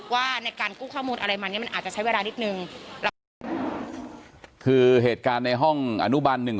ว่าในการกู้ข้อมูลอะไรมันเนี่ยมันอาจจะใช้เวลานิดนึง